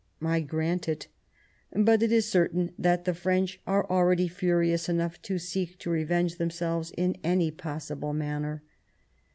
I grant it ; but it is certain that the French are already furious enough to seek to revenge themselves in any possible manner.